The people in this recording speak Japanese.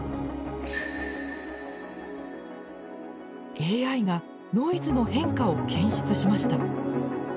ＡＩがノイズの変化を検出しました。